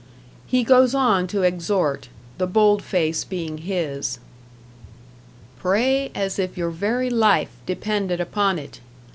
He goes on to exhort the bold face being his: Pray as if your very life depended upon it!